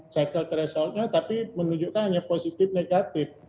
setel resultnya tapi menunjukkan hanya positif negatif